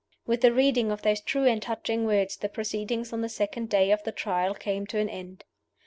With the reading of those true and touching words the proceedings on the second day of the Trial came to an end.